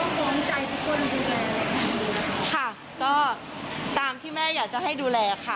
เราก็จะต้องพร้อมใจทุกคนดูแลค่ะก็ตามที่แม่อยากจะให้ดูแลค่ะ